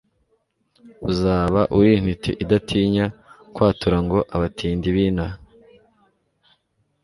uzaba uri intiti Idatinya kwatura Ngo abatindi binaha